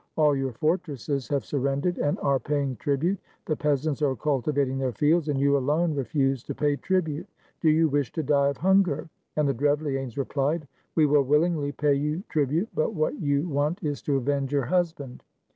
All your fortresses have surrendered and are paying tribute, the peasants are cultivating their fields, and you alone refuse to pay tribute; do you wish to die of hunger?" And the Drevlianes replied, "We will willingly pay you tribute, but what you want is to avenge your husband."